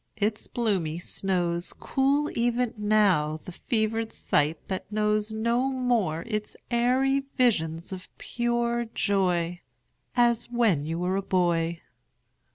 Its bloomy snows Cool even now the fevered sight that knows No more its airy visions of pure joy As when you were a boy.